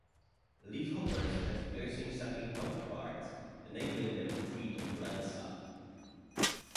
Leafhoppers have piercing-sucking mouthparts, enabling them to feed on plant sap.